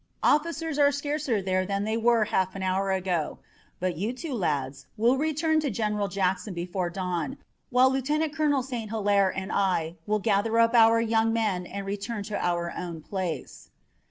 Officers are scarcer there than they were a half hour ago. But you two lads will return to General Jackson before dawn, while Lieutenant Colonel St. Hilaire and I will gather up our young men and return to our own place."